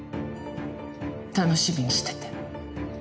楽しみにしてて。